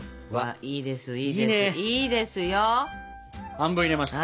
半分入れました。